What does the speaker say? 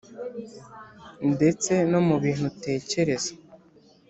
ndetse no mu bintu utekereza